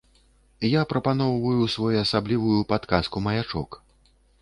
Я прапаноўваю своеасаблівую падказку-маячок.